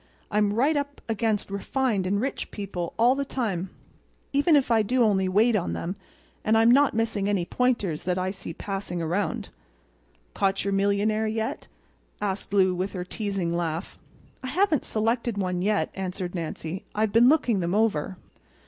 I'm right up against refined and rich people all the time—even if I do only wait on them; and I'm not missing any pointers that I see passing around." "Caught your millionaire yet?" asked Lou with her teasing laugh. "I haven't selected one yet," answered Nancy. "I've been looking them over."